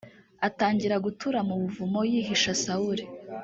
atangira gutura mu buvumo yihisha sauli